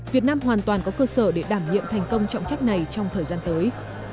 việt nam hoàn toàn có cơ sở để đảm nhiệm thành công trọng trách này trong thời gian tới